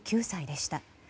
８９歳でした。